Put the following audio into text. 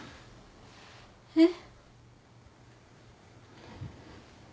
えっ？